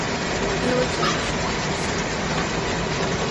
ئێوە چەند لە وشەکانی ئەم لیستە دەزانن؟